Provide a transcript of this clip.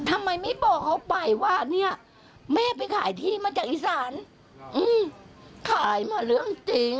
ทำไมไม่บอกเขาไปว่าเนี่ยแม่ไปขายที่มาจากอีสานขายมาเรื่องจริง